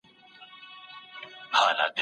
د ناروغانو حقونو ته بشپړ پام کیده.